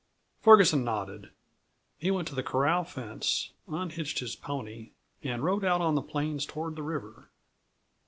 Ferguson nodded. He went to the corral fence, unhitched his pony, and rode out on the plains toward the river.